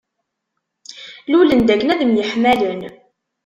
Lulen-d akken ad myeḥmalen.